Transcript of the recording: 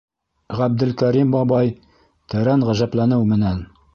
Ғәбделкәрим бабай тәрән ғәжәпләнеү менән: